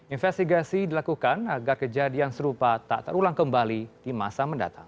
investigasi dilakukan agar kejadian serupa tak terulang kembali di masa mendatang